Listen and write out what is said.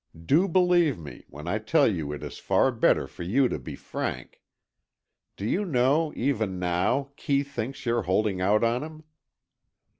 Do believe me, when I tell you it is far better for you to be frank. Do you know, even now, Kee thinks you're holding out on him."